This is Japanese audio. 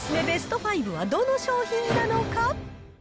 ベスト５はどの商品なのか？